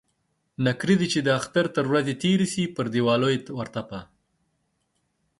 نکريزي چې د اختر تر ورځي تيري سي ، پر ديوال يې و ترپه.